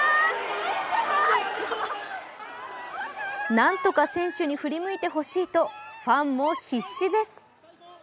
なんとか選手に振り向いてほしいとファンも必死です。